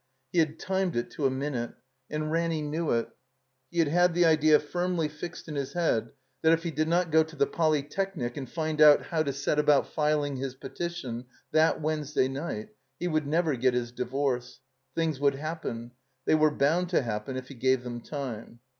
He had timed it to a minute. And Ranny knew it. He had had the idea firmly fixed in his head that if he did not go to the Polytechnic and 337 THE COMBINED MAZE find out how to set about filing his petition that Wed nesday night, he would never get his divorce. Things would happen, they were bound to happen if he gave them time.